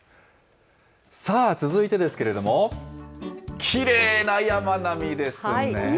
さあ、続いてですけれども、きれいな山並みですねぇ。